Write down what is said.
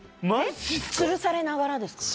つるされながらですか？